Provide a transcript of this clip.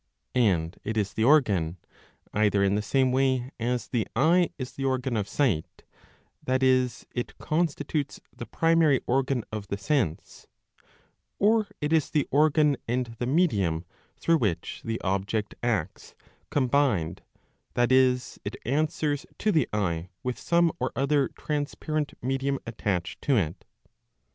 And it is the organ, either in the same way as the eye is the organ of sight, that is it constitutes the primary organ of the sense ; or it is the organ and the medium through which the object acts combined, that is it answers to the eye with some or other transparent medium attached to it.